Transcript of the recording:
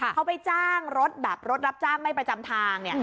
เขาไปจ้างรถรับจ้างใบประจำทาง